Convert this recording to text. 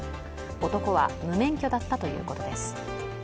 男は無免許だったということです。